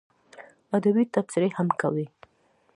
ادبي تبصرې هم کوي.